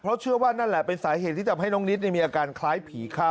เพราะเชื่อว่านั่นแหละเป็นสาเหตุที่ทำให้น้องนิดมีอาการคล้ายผีเข้า